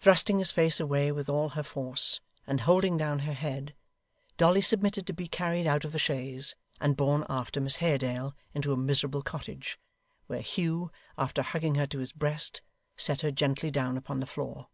Thrusting his face away with all her force, and holding down her head, Dolly submitted to be carried out of the chaise, and borne after Miss Haredale into a miserable cottage, where Hugh, after hugging her to his breast, set her gently down upon the floor.